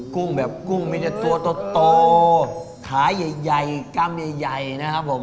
กุ้งแบบกุ้งมีแต่ตัวโตขาใหญ่กล้ามใหญ่นะครับผม